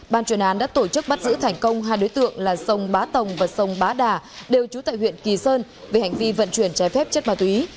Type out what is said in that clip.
ban chuyên án đã tổ chức bắt giữ thành công hai đối tượng là sông bá tồng và sông bá đà đều trú tại huyện kỳ sơn về hành vi vận chuyển trái phép chất ma túy